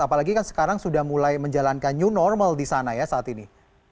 apalagi kan sekarang sudah mulai menjalankan new normal di sana ya saat ini